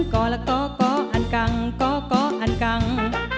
ก่อละก่อก่ออันกังก่อก่ออันกัง